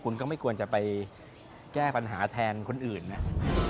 คุณก็ไม่ควรจะไปแก้ปัญหาแทนคนอื่นนะ